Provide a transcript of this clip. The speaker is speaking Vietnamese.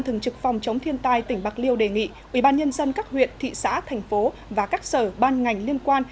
trực phòng chống thiên tai tỉnh bạc liêu đề nghị ubnd các huyện thị xã thành phố và các sở ban ngành liên quan